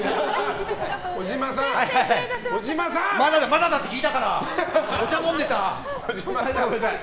まだだって聞いたからお茶飲んでた。